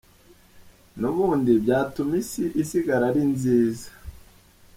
N’ubundi byatuma isi isigara ari nziza.